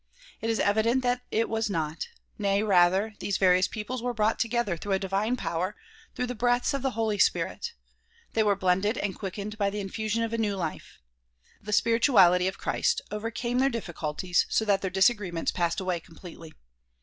It is evident that it was not ; nay, rather, these various peoples were brought together through a divine power, through the breaths of the Holy Spirit. They were blended and quickened by the infusion of a new life. The spirituality of Christ overcame their difficulties so that their disagreements passed away completely.